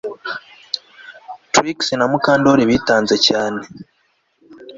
Trix na Mukandoli bitanze cyane